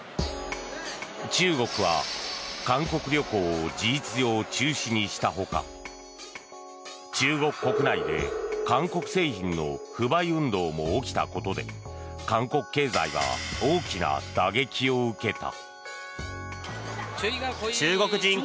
中国は、韓国旅行を事実上中止にした他中国国内で韓国製品の不買運動も起きたことで韓国経済は大きな打撃を受けた。